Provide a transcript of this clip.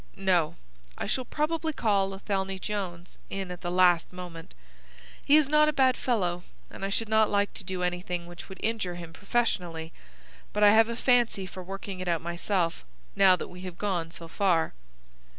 "No. I shall probably call Athelney Jones in at the last moment. He is not a bad fellow, and I should not like to do anything which would injure him professionally. But I have a fancy for working it out myself, now that we have gone so far."